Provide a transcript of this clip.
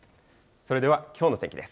それではきょうの天気です。